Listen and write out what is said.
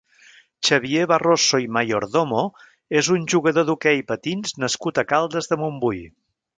Xavier Barroso i Mayordomo és un jugador d'hoquei patins nascut a Caldes de Montbui.